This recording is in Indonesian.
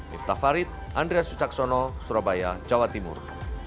miftah farid andreas ucaksono surabaya jawa timur